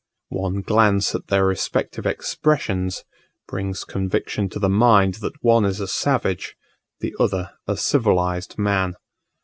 One glance at their respective expressions, brings conviction to the mind that one is a savage, the other a civilized man.